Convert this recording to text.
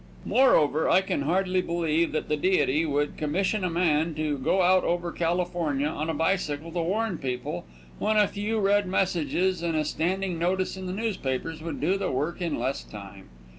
Moreover, I can hardly believe that the Deity would commission a man to go out over California on a bicycle to warn people, when a few red messages and a standing notice in the newspapers would do the work in less time.